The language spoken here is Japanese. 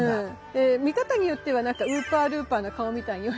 で見方によってはウーパールーパーの顔みたいにも見えません？